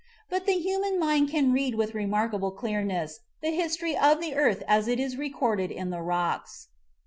But the human mind can read with remarkable clearness the history of the earth as it is recorded in the rocks.